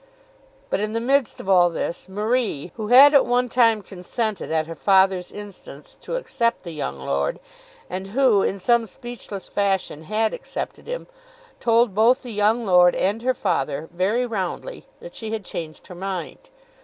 But, in the midst of all this, Marie, who had at one time consented at her father's instance to accept the young lord, and who in some speechless fashion had accepted him, told both the young lord and her father, very roundly, that she had changed her mind.